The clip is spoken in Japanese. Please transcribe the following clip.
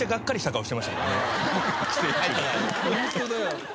ホントだよ。